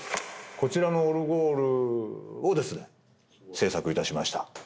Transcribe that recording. こちらのオルゴールを制作いたしました。